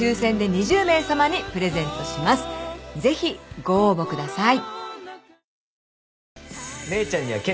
［ぜひご応募ください］